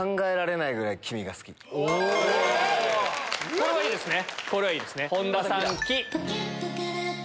これはいいですね。